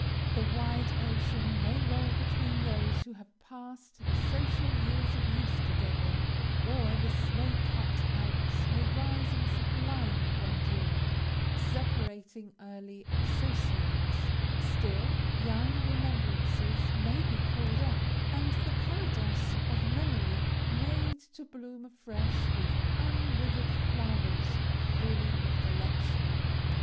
The wide ocean may roll between those who have passed the social years of youth together, or the snow capped Alps may rise in sublime grandeur, separating early associates; still young remembrances may be called up, and the paradise of memory made to bloom afresh with unwithered flowers of holy recollection.